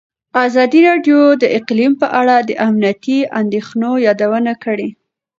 ازادي راډیو د اقلیم په اړه د امنیتي اندېښنو یادونه کړې.